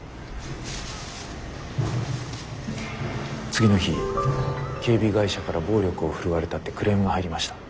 次の日警備会社から暴力を振るわれたってクレームが入りました。